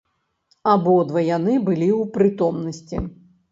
Абодва яны былі ў прытомнасці.